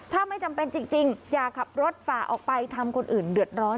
ถ้าไม่จำเป็นจริงอย่าขับรถฝ่าออกไปทำคนอื่นเดือดร้อน